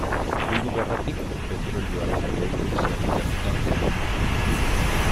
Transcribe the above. Mundu Gerratik petrolioaren lehen krisi handira bitartean.